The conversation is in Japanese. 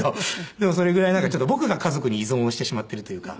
でもそれぐらいちょっと僕が家族に依存をしてしまっているというか。